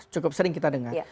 cukup sering kita dengar